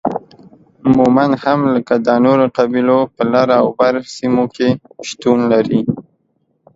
مومند هم لکه دا نورو قبيلو په لر او بر سیمو کې شتون لري